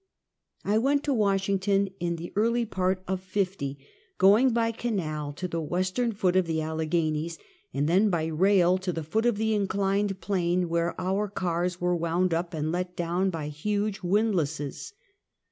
I went to Washington in the early part of '50, go ing by canal to the western foot of the Alleghenies, and then by rail to the foot of the inclined plane, where our cars were wound up and let down by huge wind lasses.